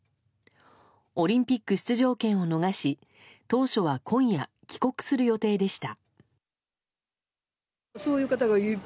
オリンピック出場権を逃し当初は今夜、帰国する予定でした。